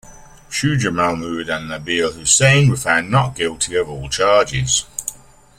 Shujah Mahmood and Nabeel Hussain were found not guilty of all charges.